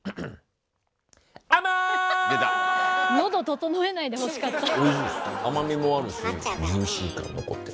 喉整えないでほしかった。